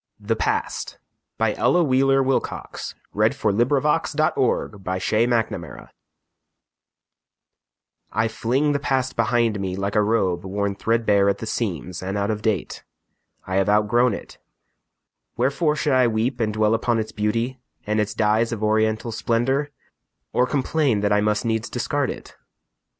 or him alway. Ella Wheeler Wilcox The Past I FLING the past behind me, like a robe Worn threadbare at the seams, and out of date. I have outgrown it. Wherefore should I weep And dwell upon its beauty, and its dyes Of oriental splendor, or complain That I must needs discard it?